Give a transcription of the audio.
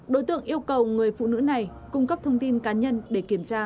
đối tượng yêu cầu người phụ nữ này cung cấp thông tin cá nhân để kiểm tra